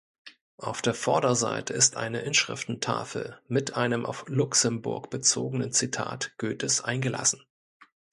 Auf der Vorderseite ist eine Inschriftentafel mit einem auf Luxemburg bezogenen Zitat Goethes eingelassen.